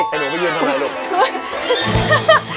ให้หนูมายืนให้ให้ลุก